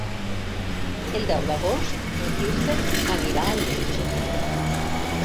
El deu d'agost en Quirze anirà al metge.